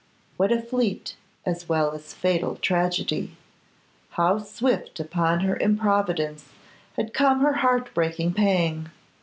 What a fleet, as well as fatal, tragedy! How swift upon her improvidence had come her heart breaking pang!